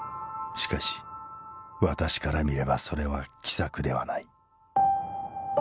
「しかし私から見ればそれは奇策ではない。